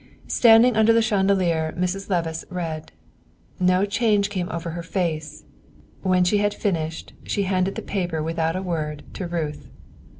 Standing under the chandelier, Mrs. Levice read. No change came over her face; when she had finished, she handed the paper without a word to Ruth.